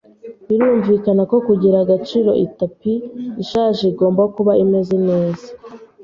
Birumvikana ko kugira agaciro, itapi ishaje igomba kuba imeze neza.